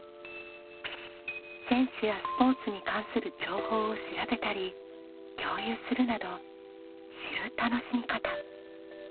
選手やスポーツに関する情報を調べたり共有するなど「知る」楽しみ方。